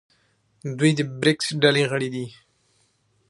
دوی د بریکس ډلې غړي دي.